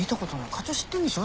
課長知ってんでしょ？